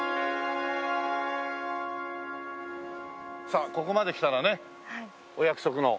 さあここまで来たらねお約束の。